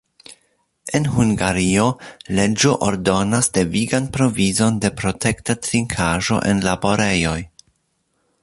En Hungario, leĝo ordonas devigan provizon de protekta trinkaĵo en laborejoj.